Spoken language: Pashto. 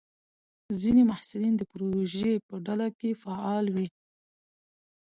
ځینې محصلین د پروژې په ډله کې فعال وي.